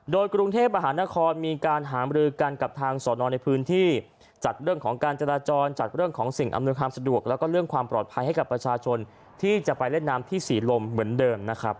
โดยกรุงเทพมหานครมีการหามรือกันกับทางสอนอนในพื้นที่จัดเรื่องของการจราจรจัดเรื่องของสิ่งอำนวยความสะดวกแล้วก็เรื่องความปลอดภัยให้กับประชาชนที่จะไปเล่นน้ำที่ศรีลมเหมือนเดิมนะครับ